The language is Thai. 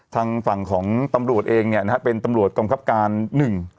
ทางฝั่งของตำรวจเองเนี่ยนะฮะเป็นตำรวจกองคับการหนึ่ง